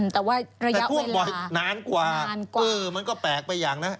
แต่ว่าระยะท่วมบ่อยนานกว่ามันก็แปลกไปอย่างนะ